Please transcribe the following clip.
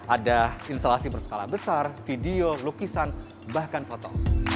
ada instalasi berskala besar video lukisan bahkan foto